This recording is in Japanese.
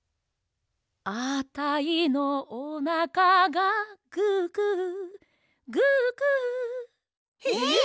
「あたいのおなかがググググ」えっ！？